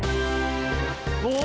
お！